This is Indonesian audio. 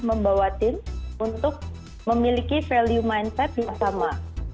membawatin untuk memiliki value mindset bersama